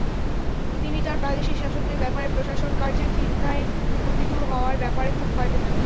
তিনি তার প্রাদেশিক শাসকদের ব্যাপারে প্রশাসনকার্যে ফিতনায় নিপতিত হওয়ার ব্যাপারে খুব ভয় পেতেন।